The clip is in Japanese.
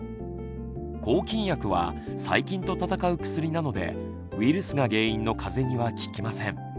抗菌薬は細菌と闘う薬なのでウイルスが原因のかぜには効きません。